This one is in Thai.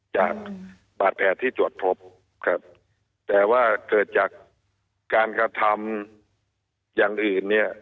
จากบาดแผลที่ตรวจพบครับแต่ว่าเกิดจากการกระทำอย่างอื่นเนี่ย